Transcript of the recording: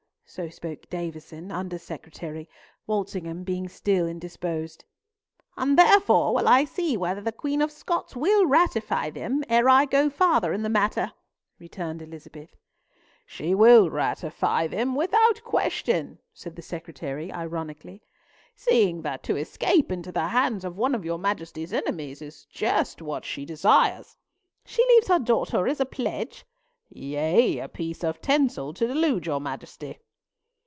So spoke Davison, under secretary, Walsingham being still indisposed. "And therefore will I see whether the Queen of Scots will ratify them, ere I go farther in the matter," returned Elizabeth. "She will ratify them without question," said the Secretary, ironically, "seeing that to escape into the hands of one of your Majesty's enemies is just what she desires." "She leaves her daughter as a pledge." "Yea, a piece of tinsel to delude your Majesty."